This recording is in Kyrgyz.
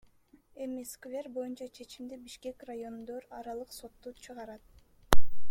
Эми сквер боюнча чечимди Бишкек райондор аралык соту чыгарат.